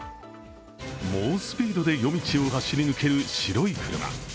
猛スピードで夜道を走り抜ける白い車。